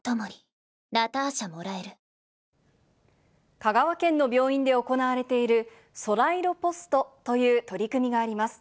香川県の病院で行われている、空色ポストという取り組みがあります。